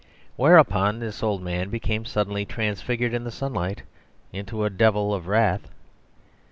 Whereupon, this old man became suddenly transfigured in the sunlight into a devil of wrath.